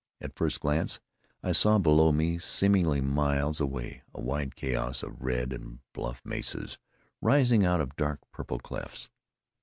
At first glance, I saw below me, seemingly miles away, a wild chaos of red and buff mesas rising out of dark purple clefts.